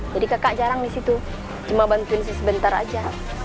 jadi kakak jarang di situ cuma bantuin sebentar aja